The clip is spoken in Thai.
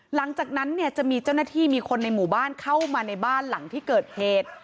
หลังจากนั้นเนี่ยจะมีเจ้าหน้าที่มีคนในหมู่บ้านเข้ามาในบ้านหลังที่เกิดเหตุ